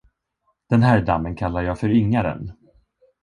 Den här dammen kallar jag för Yngaren.